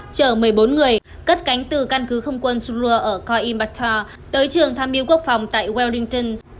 chở một mươi bốn người cất cánh từ căn cứ không quân surua ở coimbatore tới trường tham miêu quốc phòng tại wellington